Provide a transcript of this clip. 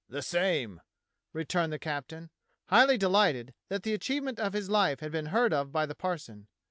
"The same," returned the captain, highly delighted that the achievement of his life had been heard of by the parson.